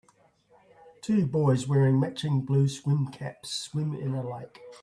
Two boys wearing matching blue swim caps swim in a lake.